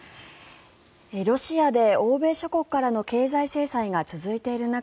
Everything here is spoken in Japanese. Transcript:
ロシアで欧米諸国からの経済制裁が続いている中